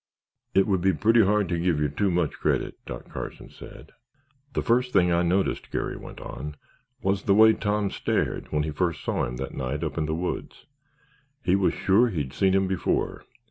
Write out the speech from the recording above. "It would be pretty hard to give you too much credit," Doc Carson said. "The first thing I noticed," Garry went on, "was the way Tom stared when he first saw him that night up in the woods. He was sure he'd seen him before.